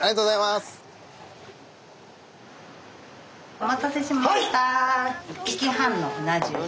お待たせしました。